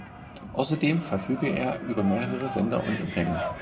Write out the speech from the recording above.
Außerdem verfügte er über mehrere Sender und Empfänger.